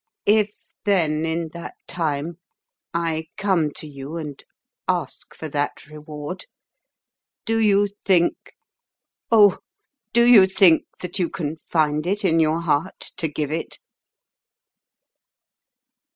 if then, in that time, I come to you and ask for that reward, do you think, oh, do you think that you can find it in your heart to give it?"